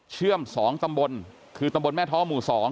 เชื่อม๒ตำบลคือตำบลแม่ท้อหมู่๒